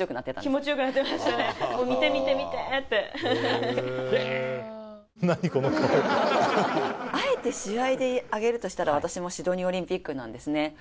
あんなにあえて試合で挙げるとしたら私もシドニーオリンピックなんですね